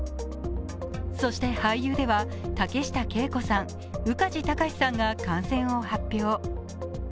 そして俳優では、竹下景子さん、宇梶剛士さんが感染を発表。